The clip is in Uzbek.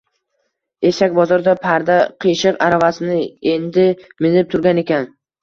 Eshak bozorda Parda qiyshiq aravasini endi minib turgan ekan.